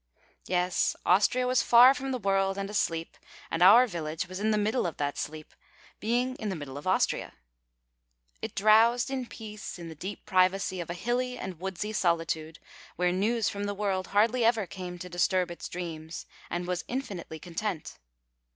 Yes, Austria was far from the world, and asleep, and our village was in the middle of that sleep, being in the middle of Austria. It drowsed in peace in the deep privacy of a hilly and woodsy solitude where news from the world hardly ever came to disturb its dreams, and was infinitely content.